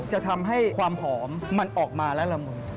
จะทำให้ความหอมมันออกมาและละมุน